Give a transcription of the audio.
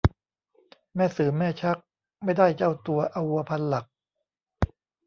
แม่สื่อแม่ชัก ไม่ได้เจ้าตัว เอาวัวพันหลัก